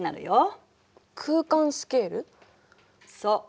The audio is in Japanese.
そう。